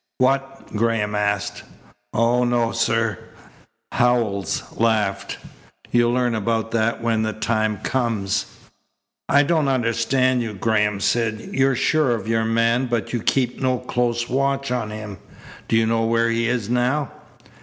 "What?" Graham asked. "Oh, no, sir," Howells laughed. "You'll learn about that when the time comes." "I don't understand you," Graham said. "You're sure of your man but you keep no close watch on him. Do you know where he is now?"